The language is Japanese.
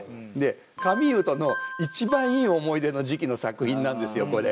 カミーユとの一番いい思い出の時期の作品なんですよこれ。